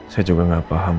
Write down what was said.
saya juga gak paham